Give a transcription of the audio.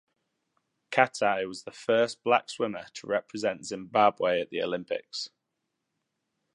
Katai was the first black swimmer to represent Zimbabwe at the Olympics.